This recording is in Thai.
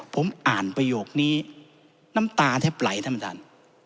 ผมอ่านประโยคนี้น้ำตาแทบไหลท่านประธาน